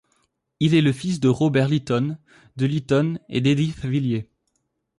Il est le fils de Robert Lytton, de Lytton, et d'Edith Villiers.